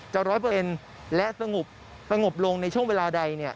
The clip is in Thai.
จะร้อยเปลี่ยนและสงบลงในช่วงเวลาใดเนี่ย